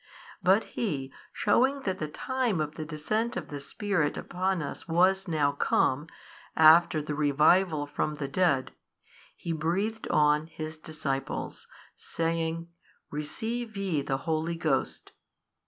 But He shewing that the time of the Descent of the Spirit upon us was now come, after the revival from the dead, He breathed on His disciples, saying, Receive ye the Holy Ghost.